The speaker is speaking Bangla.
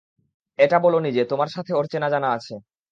এটা বলোনি যে তোমার সাথে ওর চেনাজানা আছে।